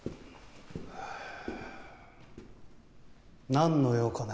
なんの用かね？